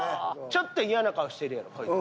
ちょっと嫌な顔してるやろこいつ。